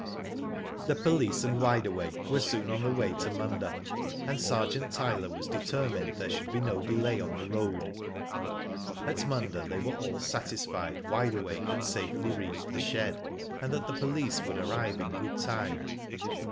The police and Wide Awake were soon on the way to Munda, and Sergeant Tyler was determined there should be no delay on the road. At Munda they were all satisfied Wide Awake had safely reached the shed, and that the police would arrive in good time.